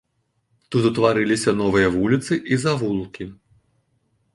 Тут утварыліся новыя вуліцы і завулкі.